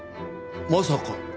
まさか。